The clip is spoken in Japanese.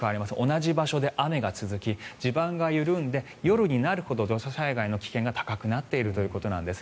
同じ場所で雨が続き地盤が緩んで夜になるほど土砂災害の危険が高くなっているということです。